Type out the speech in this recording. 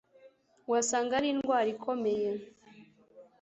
wasanga ari indwara ikomeye